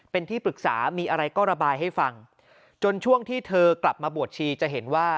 เป็นที่ปรึกษามีอะไรก็ระบายให้ฟังจนช่วงที่เธอกลับมาบวชชีจะเห็นว่า